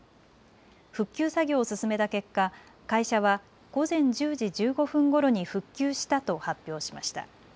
復旧作業を進めた結果、会社は午前１０時１５分ごろに復旧したと発表しました。